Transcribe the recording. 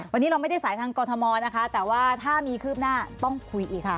วันนี้เราไม่ได้สายทางกรทมนะคะแต่ว่าถ้ามีคืบหน้าต้องคุยอีกค่ะ